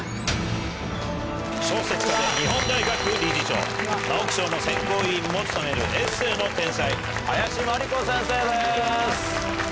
小説家で日本大学理事長、直木賞の選考委員も務めるエッセーの天才、林真理子先生です。